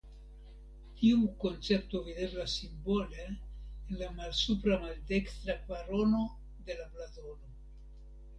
Tiu koncepto videblas simbole en la malsupra maldekstra kvarono de la blazono.